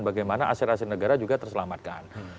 bagaimana hasil hasil negara juga terselamatkan